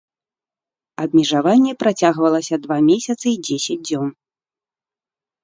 Абмежаванне працягвалася два месяцы і дзесяць дзён.